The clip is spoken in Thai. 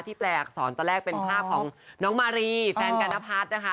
ที่แปลกสอนตอนแรกเป็นภาพของน้องมารีแฟนกัณฑัฐนะคะ